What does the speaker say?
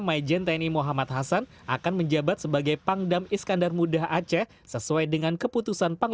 maijen tni muhammad hasan akan menjabat sebagai pangdam iskandar muda aceh sesuai dengan keputusan pangli